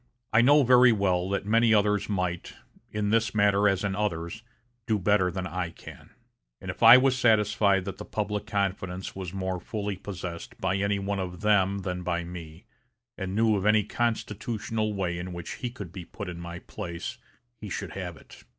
I know very well that many others might, in this matter as in others, do better than I can; and if I was satisfied that the public confidence was more fully possessed by any one of them than by me, and knew of any constitutional way in which he could be put in my place, he should have it.